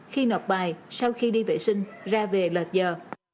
khi nộp bài sau khi đi vệ sinh ra về lệch giờ